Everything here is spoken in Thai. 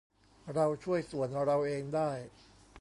เราช่วยส่วนเราเองได้